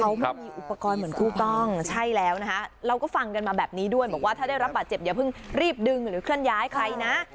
เขาไม่มีอุปกรณ์เหมือนคู่กล้องใช่แล้วนะคะเราก็ฟังกันมาแบบนี้ด้วยบอกว่าถ้าได้รับบาดเจ็บอย่าเพิ่งรีบดึงหรือเคลื่อนย้ายใครนะ